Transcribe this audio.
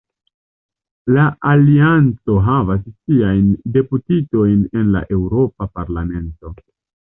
La Alianco havas siajn deputitojn en la Eŭropa Parlamento.